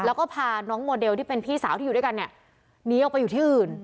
แล้วก็พาน้องโมเดลที่เป็นพี่สาวที่อยู่ด้วยกันเนี่ยหนีออกไปอยู่ที่อื่น